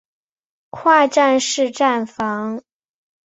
跨站式站房。